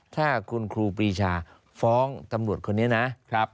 ถ้าคุณครูปรีชาฟ้องตำรวจคนนี้นะ